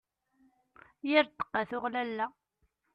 Yir ddeqqa tuɣ lalla.